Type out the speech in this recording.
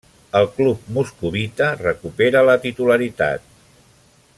Al club moscovita recupera la titularitat.